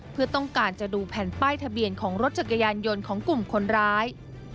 เพื่อต้องการจะดูแผ่นป้ายทะเบียนของรถจักรยานยนต์ของกลุ่มคนร้าย